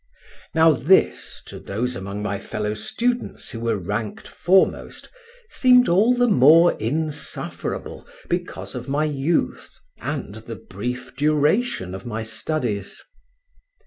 Now this, to those among my fellow students who were ranked foremost, seemed all the more insufferable because of my youth and the brief duration of my studies.